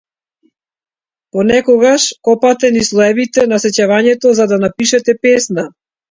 Понекогаш копате низ слоевите на сеќавањето за да напишете песна.